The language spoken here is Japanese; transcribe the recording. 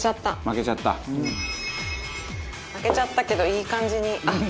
負けちゃったけどいい感じに。